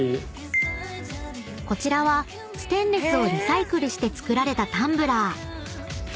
［こちらはステンレスをリサイクルして作られたタンブラー］